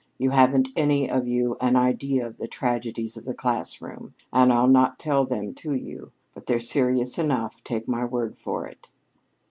You haven't any of you an idea of the tragedies of the classroom, and I'll not tell them to you. But they're serious enough, take my word for it."